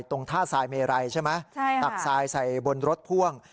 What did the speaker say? ตรงท่าทรายเมไรใช่ไหมตักทรายใส่บนรถพ่วง